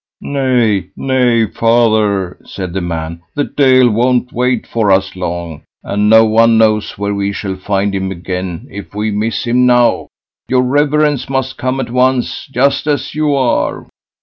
"Nay, nay, father!" said the man; "the Deil won't wait for us long, and no one knows where we shall find him again if we miss him now. Your reverence must come at once, just as you are."